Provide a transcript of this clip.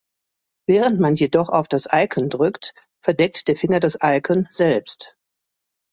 Während man jedoch auf das Icon drückt, verdeckt der Finger das Icon selbst.